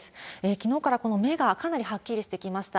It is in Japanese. きのうから、この目がかなりはっきりしてきました。